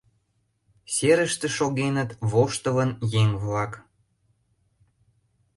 Серыште шогеныт воштылын еҥ-влак.